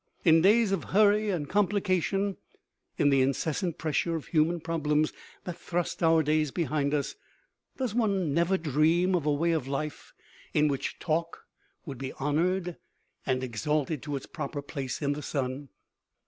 In days of hurry and complication, in the incessant pressure of human problems that thrust our days behind us, does one never dream of a way of life in which talk would be honored and exalted to its proper place in the sun?